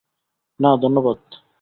না, ধন্যবাদ।